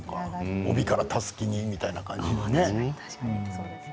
帯からたすきにみたいな感じにね。